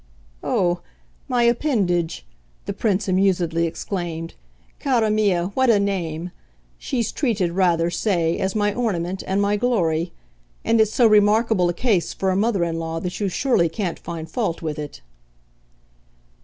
"Oh, my 'appendage,'" the Prince amusedly exclaimed "cara mia, what a name! She's treated, rather, say, as my ornament and my glory. And it's so remarkable a case for a mother in law that you surely can't find fault with it."